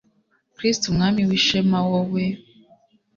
kristu mwami w'ishema, wowe